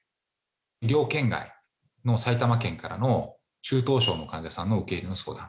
医療圏外の埼玉県からの中等症の患者さんの受け入れの相談。